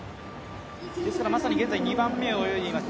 現在２番目を泳いでいます